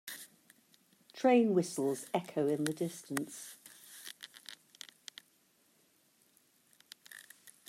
Train whistles echo in the distance.